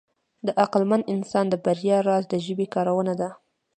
د عقلمن انسان د بریا راز د ژبې کارونه ده.